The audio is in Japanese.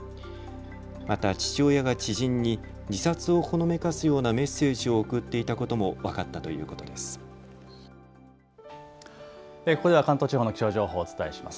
また、父親が知人に自殺をほのめかすようなメッセージを送っていたことも分かったということです。